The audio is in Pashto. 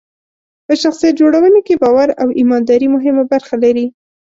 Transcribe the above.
په شخصیت جوړونه کې باور او ایمانداري مهمه برخه لري.